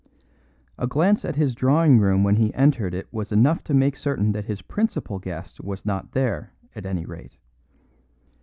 A glance at his drawing room when he entered it was enough to make certain that his principal guest was not there, at any rate.